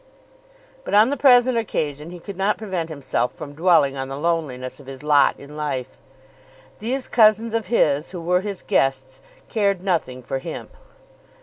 But on the present occasion he could not prevent himself from dwelling on the loneliness of his lot in life. These cousins of his who were his guests cared nothing for him.